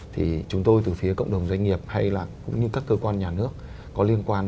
thì chúng tôi từ phía cộng đồng doanh nghiệp hay là cũng như các cơ quan nhà nước có liên quan